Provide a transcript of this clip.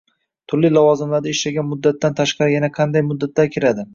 turli lavozimlarda ishlagan muddatdan tashqari yana qanday muddatlar kiradi?